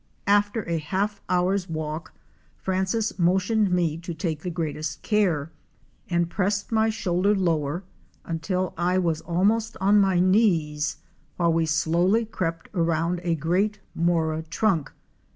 After a half hour's walk Francis motioned me to take the greatest care, and pressed my shoulder lower until I was almost on my knees while we slowly crept around a great mora trunk.